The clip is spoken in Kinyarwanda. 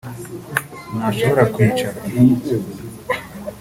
ntashobora kwicara